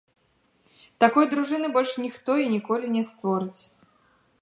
Такой дружыны больш ніхто і ніколі не створыць.